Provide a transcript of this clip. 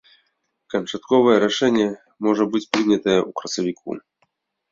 Канчатковае рашэнне можа быць прынятае ў красавіку.